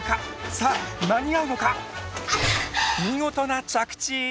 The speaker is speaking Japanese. さあ間に合うのか⁉見事な着地！